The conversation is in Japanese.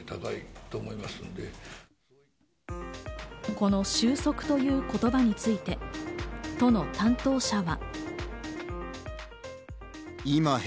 この収束という言葉について、都の担当者は。